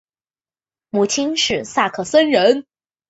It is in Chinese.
母亲是萨克森人。